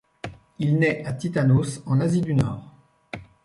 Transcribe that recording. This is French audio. Il naît à Titanos, en Asie du Nord.